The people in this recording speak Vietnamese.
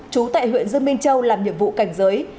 chú tại huyện dương minh châu làm nhiệm vụ cảnh giới